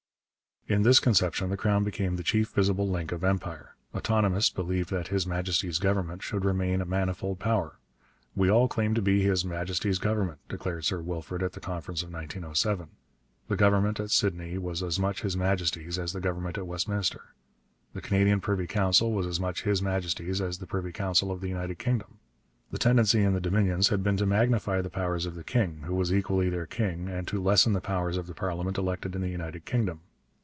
In this conception the Crown became the chief visible link of Empire. Autonomists believed that 'His Majesty's Government' should remain a manifold power. 'We all claim to be His Majesty's Government,' declared Sir Wilfrid at the Conference of 1907. The Government at Sydney was as much His Majesty's as the Government at Westminster. The Canadian Privy Council was as much His Majesty's as the Privy Council of the United Kingdom. The tendency in the Dominions had been to magnify the powers of the king, who was equally their king, and to lessen the powers of the parliament elected in the United Kingdom.